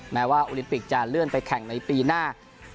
แม้ว่าโอลิมปิกจะเลื่อนไปแข่งในปีหน้า